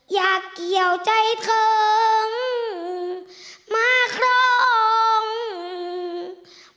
อยากเกี่ยวใจถึงมาครอง